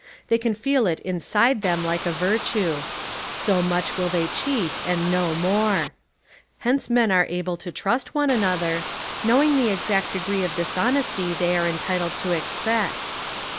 They can feel it inside them like a virtue. So much will they cheat and no more. Hence men are able to trust one another, knowing the ex act degree of dishonesty they are entitled to expect.